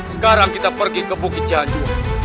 sekarang kita pergi ke bukit jadul